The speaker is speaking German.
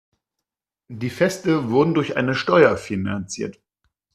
Die Feste wurden durch eine Steuer finanziert.